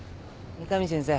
三上先生